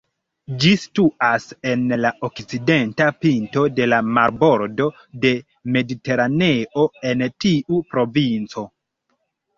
Ĝi situas en la okcidenta pinto de la marbordo de Mediteraneo en tiu provinco.